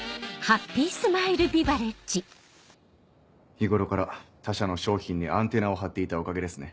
日頃から他社の商品にアンテナを張っていたおかげですね。